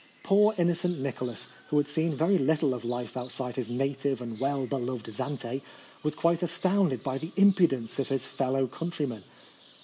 Poor innocent Nicholas, who had seen very little of life outside his native and well beloved Zante, was quite astounded at the impudence of his fellow countryman.